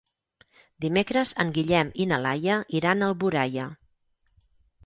Dimecres en Guillem i na Laia iran a Alboraia.